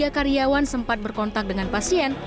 satu ratus tiga karyawan sempat berkontak dengan pasien